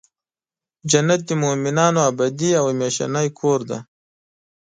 جنت د مؤمنانو ابدې او همیشنی کور دی .